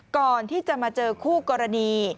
ก่อนที่จะมาเจอคู่กรณี